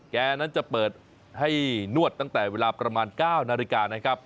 นั้นจะเปิดให้นวดตั้งแต่เวลาประมาณ๙นาฬิกานะครับ